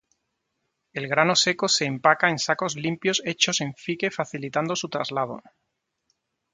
El grano seco se empaca en sacos limpios hechos en fique facilitando su traslado.